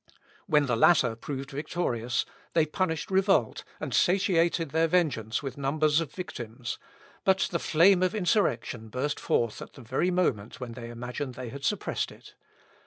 When the latter proved victorious, they punished revolt, and satiated their vengeance with numbers of victims; but the flame of insurrection burst forth at the very moment when they imagined they had suppressed it.